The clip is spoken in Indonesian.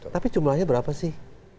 tapi jumlahnya berapa sih